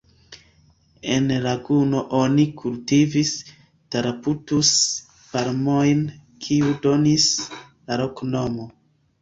En laguno oni kultivis Taraputus-palmojn, kiu donis la loknomon.